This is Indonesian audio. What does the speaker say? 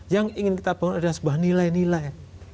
yang ingin kita bangun adalah sebuah nilai nilai